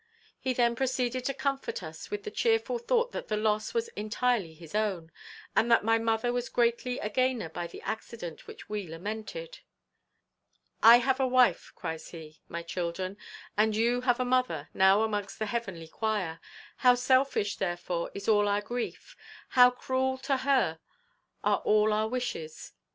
He then proceeded to comfort us with the chearful thought that the loss was entirely our own, and that my mother was greatly a gainer by the accident which we lamented. 'I have a wife,' cries he, 'my children, and you have a mother, now amongst the heavenly choir; how selfish therefore is all our grief! how cruel to her are all our wishes!